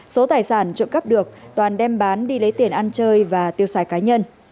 số tài sản trộm cắp được toàn đem bán đi lấy tiền ăn chơi và tiêu xài cá nhân